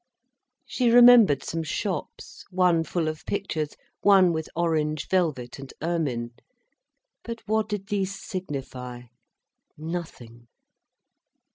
She remembered some shops—one full of pictures, one with orange velvet and ermine. But what did these signify?—nothing.